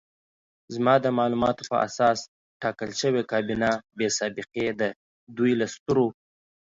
زما د معلوماتو په اساس ټاکل شوې کابینه بې سابقې ده، دوی له سترو